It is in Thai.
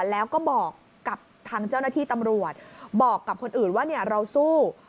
แล้วก็บอกกับทางเจ้าหน้าที่ตำรวจบอกกับคนอื่นว่าเราสู้